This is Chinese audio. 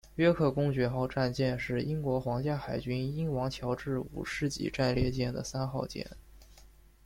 约克公爵号战舰是英国皇家海军英王乔治五世级战列舰的三号舰。